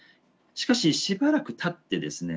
しかししばらくたってですね